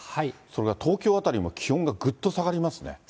それが東京辺りも気温がぐっと下がりますね。